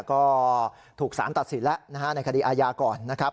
ก็ถูกสารตัดสินแล้วนะฮะในคดีอาญาก่อนนะครับ